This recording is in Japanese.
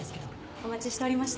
お待ちしておりました。